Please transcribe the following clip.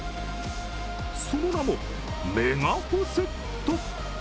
その名もメガホセット。